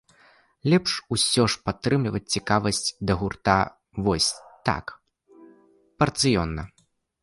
Лепш усё ж падтрымліваць цікавасць да гурта вось так, парцыённа.